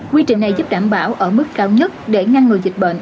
quy trình này giúp đảm bảo ở mức cao nhất để ngăn ngừa dịch bệnh